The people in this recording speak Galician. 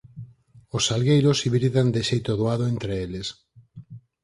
Os salgueiros hibridan de xeito doado entre eles.